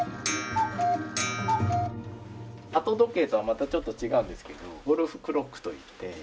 鳩時計とはまたちょっと違うんですけどゴルフクロックといって。